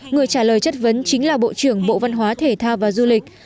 người trả lời chất vấn chính là bộ trưởng bộ văn hóa thể thao và du lịch